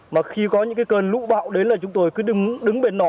mà khi có những cơn lũ bạo đến là chúng tôi cứ đứng bên đó